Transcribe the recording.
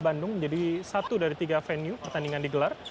bandung menjadi satu dari tiga venue pertandingan digelar